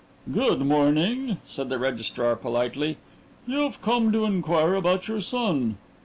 "Good morning," said the registrar politely. "You've come to inquire about your son."